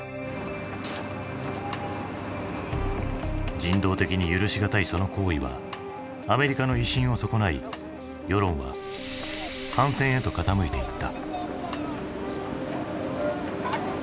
人道的に許しがたいその行為はアメリカの威信を損ない世論は反戦へと傾いていった。